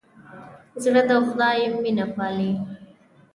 زړه د خدای مینه پالي.